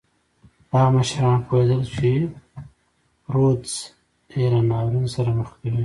دغه مشران پوهېدل چې رودز یې له ناورین سره مخ کوي.